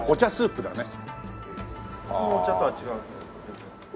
普通のお茶とは違うんですか？